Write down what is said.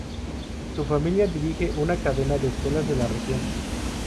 Su familia dirige una cadena de escuelas de la región.